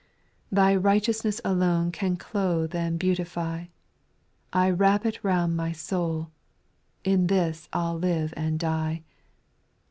Thy righteousness alone Can clothe and beautify : I wrap it round my soul ;— In this I '11 live and die.